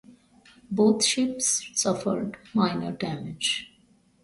Both ships suffered minor damage.